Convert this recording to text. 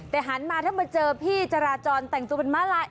แต่หันมาถ้ามาเจอพี่จราจรแต่งตัวเป็นม้าลาย